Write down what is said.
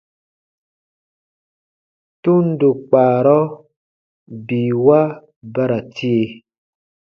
Tundo kpaarɔ biiwa ba ra tie.